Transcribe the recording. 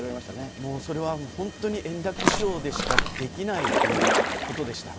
もうそれは、本当に円楽師匠でしかできないことでした。